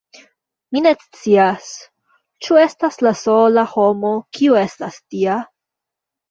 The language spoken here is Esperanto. Mi ne scias… Ĉu estas la sola homo, kiu estas tia?